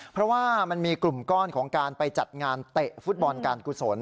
เพราะว่ามันมีกลุ่มก้อนของการไปจัดงานเตะฟุตบอลการกุศล